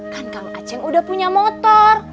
kan kang aceh udah punya motor